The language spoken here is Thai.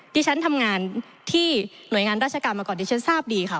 ที่ฉันทำงานที่หน่วยงานราชการมาก่อนดิฉันทราบดีค่ะ